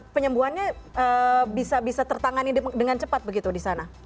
penyembuhannya bisa tertangani dengan cepat begitu di sana